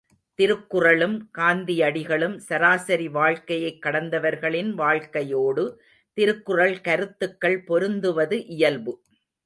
திருக்குறளும் காந்தியடிகளும் சராசரி வாழ்க்கையைக் கடந்தவர்களின் வாழ்க்கையோடு திருக்குறள் கருத்துக்கள் பொருந்துவது இயல்பு.